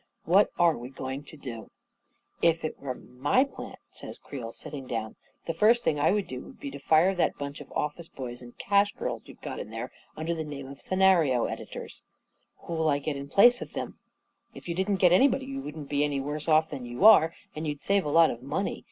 " What are we going to do ?" 44 If it were my plant," says Creel, sitting down, > 44 the first thing I would do would be to fire that bunch of office boys and cash girls you've got in there under the name of scenario editors." 12 A KING IN BABYLON " Who'll I get in place of them? "" If you didn't get anybody, you wouldn't be any worse off than you are, and you'd save a lot of money.